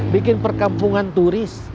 bikin perkampungan turis